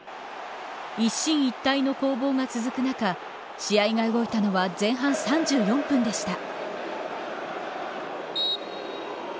一進一退の攻防が続く中試合が動いたのは前半３４分でした。